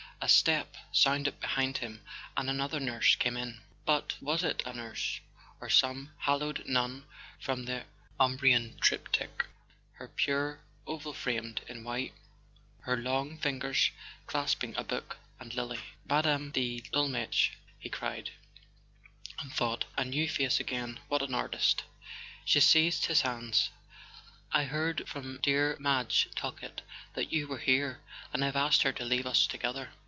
A step sounded behind him, and another nurse came in—but was it a nurse, or some haloed nun from a Umbrian triptych, her pure oval framed in white, her long fingers clasping a book and lily ? "Mme. de Dolmetsch! ,, he cried; and thought: "A new face again—what an artist! " She seized his hands. "I heard from dear Madge Talkett that you were here, and I've asked her to leave us together."